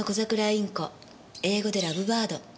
インコ英語でラブバード。